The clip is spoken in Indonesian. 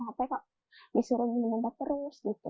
hp kok disuruh minum obat terus gitu